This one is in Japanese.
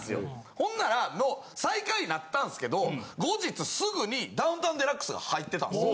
ほんなら最下位なったんすけど後日すぐに『ダウンタウンＤＸ』が入ってたんですよ。